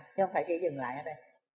chứ không phải chỉ dừng lại ở đây